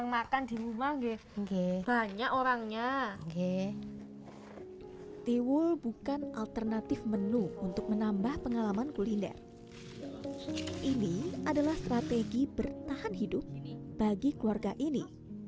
gareng dan sepen secara bergantian mengiris daun kelapa kering menjadi sapu libi untuk dijual kembali